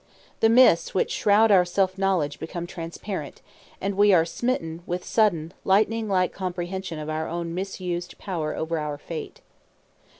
The mists which shroud our self knowledge become transparent, and we are smitten with sudden lightning like comprehension of our own misused power over our fate.